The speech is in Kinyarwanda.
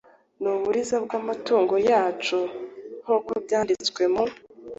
n uburiza bw amatungo yacu nk uko byanditswe mu